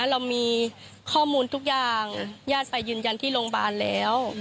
เรามีข้อมูลทุกอย่างญาติไปยืนยันที่โรงพยาบาลแล้ว